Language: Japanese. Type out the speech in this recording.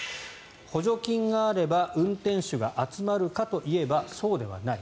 補助金があれば運転手が集まるかといえばそうではない。